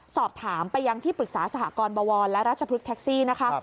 สอบถามไปยังที่ปรึกษาสหกรณบวรและราชพฤกษแท็กซี่นะคะ